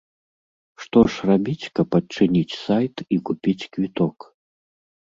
Што ж рабіць, каб адчыніць сайт і купіць квіток?